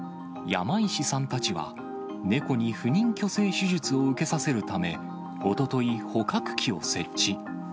山石さんたちは、猫に不妊去勢手術を受けさせるため、おととい、捕獲器を設置。